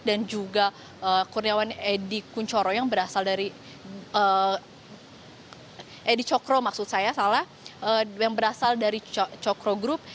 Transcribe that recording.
dan juga kurniawan edi cokro yang berasal dari cokro group